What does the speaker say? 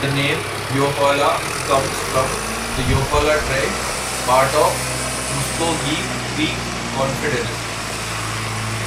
The name "Eufaula" comes from the Eufaula tribe, part of the Muscogee Creek Confederacy.